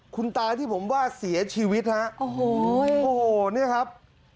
คุณตาที่ผมว่าเสียชีวิตฮะโอ้โหโอ้โหเนี่ยครับ